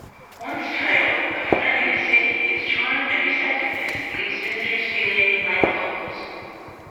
Once titled "The Friendly City", its charm and receptiveness leaves visitors feeling like locals.